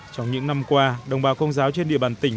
trong những năm qua đồng bào công giáo trên địa bàn tỉnh